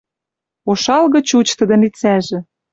Ошалгы чуч тӹдӹн лицӓжӹ.